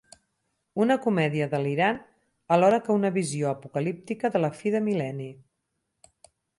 Una comèdia delirant alhora que una visió apocalíptica de la fi de mil·lenni.